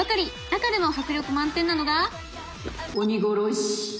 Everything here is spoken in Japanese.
中でも迫力満点なのが「鬼殺し」。